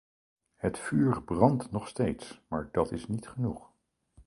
Het vuur brandt nog steeds, maar dat is niet genoeg.